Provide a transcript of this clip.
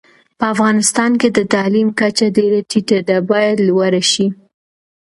په افغانستان کي د تعلیم کچه ډيره ټیټه ده، بايد لوړه شي